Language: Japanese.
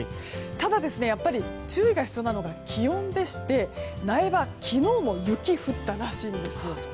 ただ、注意が必要なのが気温でして苗場、昨日も雪が降ったらしいんですよ。